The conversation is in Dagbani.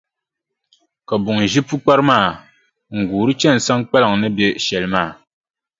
Ka buŋa ʒi pukpara maa, n-guuri chani Saŋkpaliŋ ni be shɛli maa.